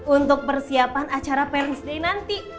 untuk persiapan acara parley day nanti